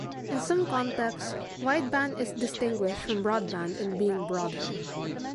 In some contexts wideband is distinguished from broadband in being broader.